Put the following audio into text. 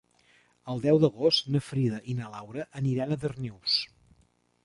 El deu d'agost na Frida i na Laura aniran a Darnius.